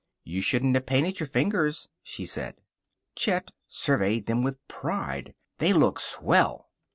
"You shouldn't have painted your fingers," she said. Chet surveyed them with pride. "They look swell."